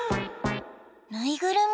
ぬいぐるみ？